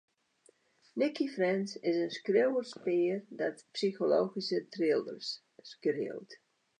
Nicci French is in skriuwerspear dat psychologyske thrillers skriuwt.